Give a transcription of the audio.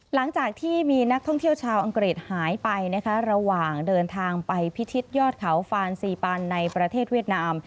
หลังจากที่มีนักท่องเที่ยวชาวอังกฤษหายไปนะคะระหว่างเดินทางไปพิชิตยอดเขาฟานซีปานในประเทศเวียดนาม